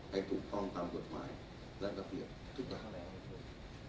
ให้ถูกต้องตามกฎหมายและประเภททุกครั้ง